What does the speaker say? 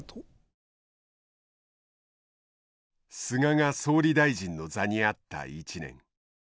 菅が総理大臣の座にあった１年。